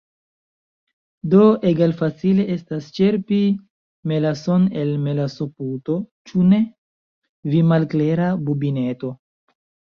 Do egalfacile estas ĉerpi melason el melasoputo, ĉu ne? vi malklera bubineto?